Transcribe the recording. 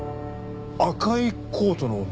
赤いコートの女？